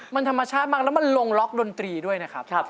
มันธรรมชาติมากแล้วมันลงล็อกดนตรีด้วยนะครับ